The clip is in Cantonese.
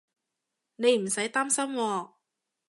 你唔使擔心喎